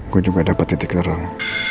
gue juga dapat titik terang